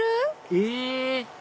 え？